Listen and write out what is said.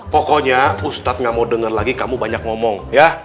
pokoknya ustadz gak mau denger lagi kamu banyak ngomong ya